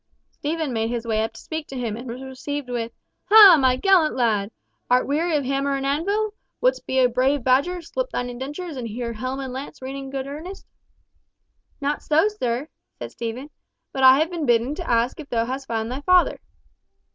Stephen made his way up to speak to him, and was received with "Ha, my gallant lad! Art weary of hammer and anvil? Wouldst be a brave Badger, slip thine indentures, and hear helm and lance ring in good earnest?" "Not so, sir," said Stephen, "but I have been bidden to ask if thou hast found thy father?"